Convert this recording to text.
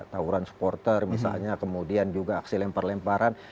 tawuran supporter misalnya kemudian juga aksi lempar lemparan